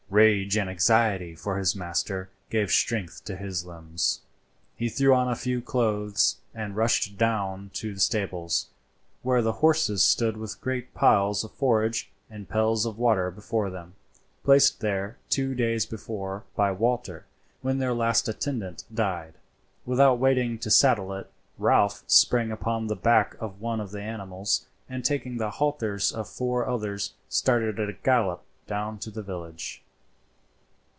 Rage and anxiety for his master gave strength to his limbs. He threw on a few clothes and rushed down to the stables, where the horses stood with great piles of forage and pails of water before them, placed there two days before by Walter when their last attendant died. Without waiting to saddle it Ralph sprang upon the back of one of the animals, and taking the halters of four others started at a gallop down to the village.